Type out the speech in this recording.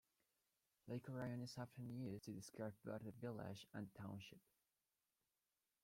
"Lake Orion" is often used to describe both the village and the township.